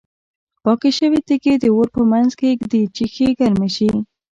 پاکې شوې تیږې د اور په منځ کې ږدي چې ښې ګرمې شي.